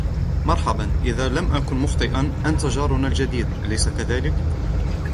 مرحباً. إذا لم أكُن مُخطِئاً, أنتَ جارنا الجديد. اليس كذلك ؟